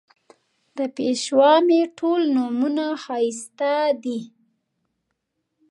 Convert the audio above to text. د پېشوا مې ټول نومونه ښایسته دي